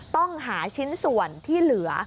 ต้องหาชิ้นส่วนที่เหลือ